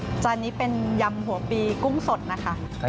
จานนี้เป็นยำหัวปีกุ้งสดนะคะ